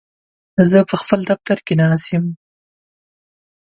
زه په خپل دفتر کې ناست یم.